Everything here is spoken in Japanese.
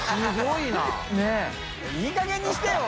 いいかげんにしてよ！